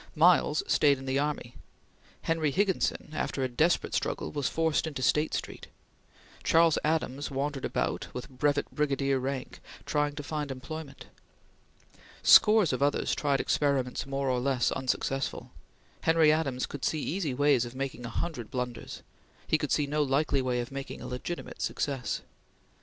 Miles stayed in the army. Henry Higginson, after a desperate struggle, was forced into State Street; Charles Adams wandered about, with brevet brigadier rank, trying to find employment. Scores of others tried experiments more or less unsuccessful. Henry Adams could see easy ways of making a hundred blunders; he could see no likely way of making a legitimate success.